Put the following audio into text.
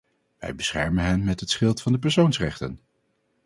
Wij beschermen hen met het schild van de persoonsrechten.